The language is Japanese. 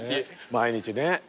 毎日ね。